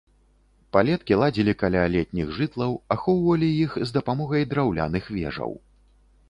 Палеткі ладзілі каля летніх жытлаў, ахоўвалі іх з дапамогай драўляных вежаў.